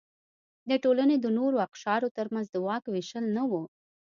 د ټولنې د نورو اقشارو ترمنځ د واک وېشل نه و.